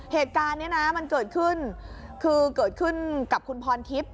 เหตุการณ์นี้นะมันเกิดขึ้นคือเกิดขึ้นกับคุณพรทิพย์